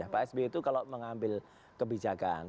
pak s b itu kalau mengambil kebijakan